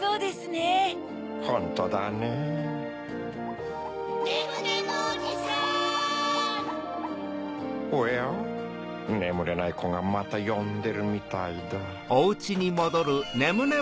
ねむれないコがまたよんでるみたいだ。